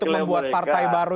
membuat partai baru